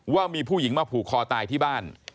ว่ามีผู้หญิงมาผูกคอตายที่บ้าน